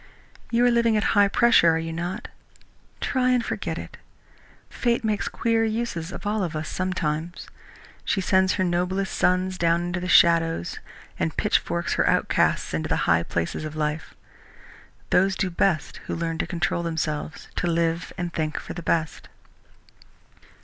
You are living at high pressure, are you not? Try and forget it. Fate makes queer uses of all of us sometimes. She sends her noblest sons down into the shadows and pitchforks her outcasts into the high places of life. Those do best who learn to control themselves, to live and think for the best."